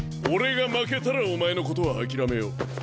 俺が負けたらお前のことは諦めよう。